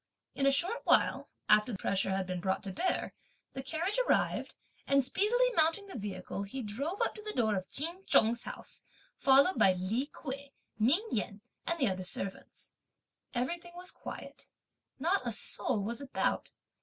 In a short while, after pressure had been brought to bear, the carriage arrived, and speedily mounting the vehicle, he drove up to the door of Ch'in Chung's house, followed by Li Kuei, Ming Yen and the other servants. Everything was quiet. Not a soul was about.